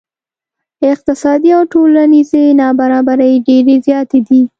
اقتصادي او ټولنیزې نا برابرۍ ډیرې زیاتې دي.